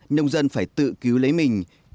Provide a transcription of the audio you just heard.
nông dân phải tự cứu lấy mình